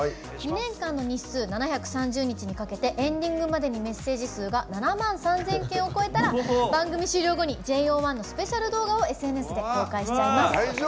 ２年間の日数７３０日にかけてエンディングまでにメッセージ数が７万３０００件を超えたら番組終了後にＪＯ１のスペシャル動画をＳＮＳで公開しちゃいます。